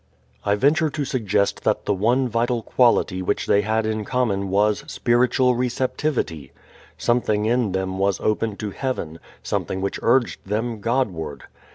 I venture to suggest that the one vital quality which they had in common was spiritual receptivity. Something in them was open to heaven, something which urged them Godward.